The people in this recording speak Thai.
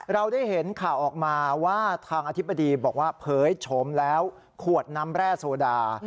เราได้เห็นข่าวออกมาว่าทางอธิบดีบอกว่าเผยโฉมแล้วขวดน้ำแร่โซดา